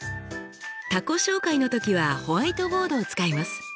他己紹介の時はホワイトボードを使います。